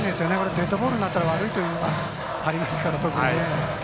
デッドボールになったら悪いというのがありますから。